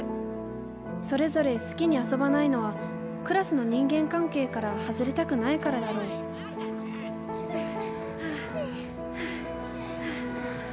それぞれ好きに遊ばないのはクラスの人間関係から外れたくないからだろうはあはあはあはあはあはあ。